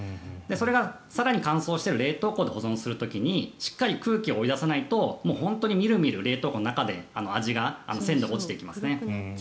それが更に乾燥している冷凍庫で保存する時にしっかり空気を追い出さないと本当にみるみる冷凍庫の中で味が、鮮度が落ちてきますね。